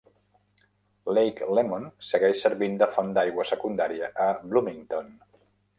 Lake Lemon segueix servint de font d'aigua secundària a Bloomington.